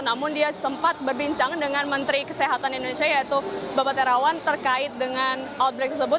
namun dia sempat berbincang dengan menteri kesehatan indonesia yaitu bapak terawan terkait dengan outbreak tersebut